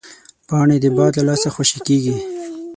پاڼې د باد له لاسه خوشې کېږي